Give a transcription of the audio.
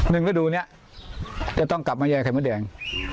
นึงก็ดูเนี้ยจะต้องกลับมาแยกไขมะแดง